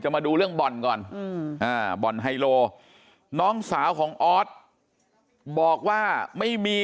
มาดูเรื่องบ่อนก่อนบ่อนไฮโลน้องสาวของออสบอกว่าไม่มี